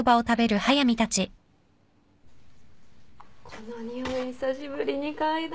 この匂い久しぶりに嗅いだ。